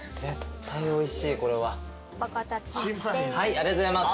ありがとうございます。